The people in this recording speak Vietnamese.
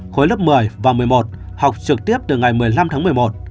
khối lớp một mươi và một mươi một học trực tiếp từ ngày một mươi năm tháng một mươi một